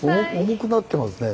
重くなってますね。